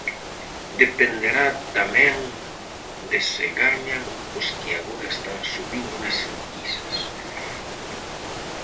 Dependerá tamén de se gañan os que agora están subindo nas enquisas.